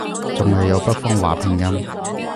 仲係有北方話拼音